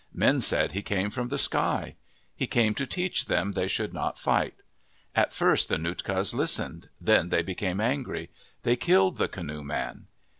Men said he came from the sky. He came to teach them they should not fight. At first the Nootkas listened, then they be came angry. They killed the canoe man.